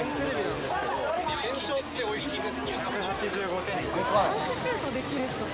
身長っておいくつですか。